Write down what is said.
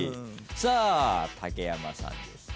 さあ竹山さんです。